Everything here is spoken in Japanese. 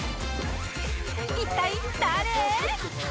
一体誰！？